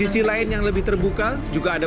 di sisi lain yang lebih terbuka